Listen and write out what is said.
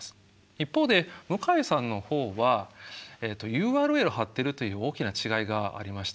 一方で向井さんの方はＵＲＬを貼っているという大きな違いがありましたよね。